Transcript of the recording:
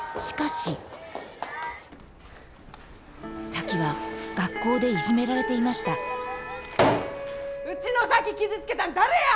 咲妃は学校でいじめられていましたうちの咲妃傷つけたん誰や！